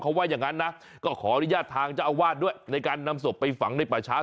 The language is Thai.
เขาว่าอย่างนั้นนะก็ขออนุญาตทางเจ้าอาวาสด้วยในการนำศพไปฝังในป่าช้า